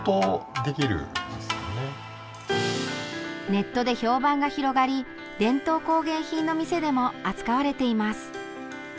ネットで評判が広がり伝統工芸品の店でも扱われています。